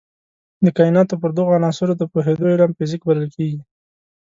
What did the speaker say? د کایناتو پر دغو عناصرو د پوهېدو علم فزیک بلل کېږي.